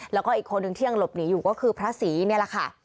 แล้วก็อีกคนหนึ่งที่ยังหลบหนีอยู่ก็คือพระศรีนี่แหละค่ะ